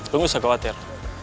lu gak usah khawatir